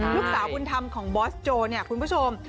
ลูกสาวบุญธรรมของบอสโจเนี่ยคุณผู้ชม